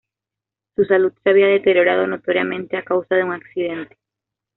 Su salud se había deteriorado notoriamente a causa de un accidente.